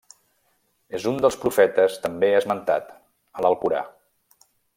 És un dels profetes també esmentat a l'Alcorà.